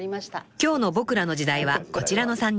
［今日の『ボクらの時代』はこちらの３人］